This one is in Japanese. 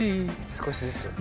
少しずつ。